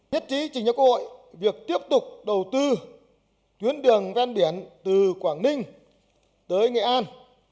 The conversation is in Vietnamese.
nhất trí trình cho quốc hội việc tiếp tục đầu tư tuyến đường ven biển từ quảng ninh tới nghệ an